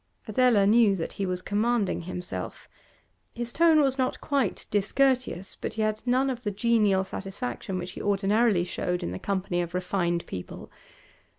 Adela knew that he was commanding himself; his tone was not quite discourteous, but he had none of the genial satisfaction which he ordinarily showed in the company of refined people.